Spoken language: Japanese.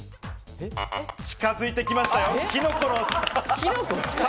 近づいてきましたよ。